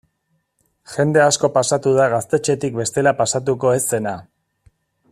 Jende asko pasatu da gaztetxetik bestela pasatuko ez zena.